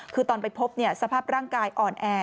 คือตอนไปพบสภาพร่างกายอ่อนแอ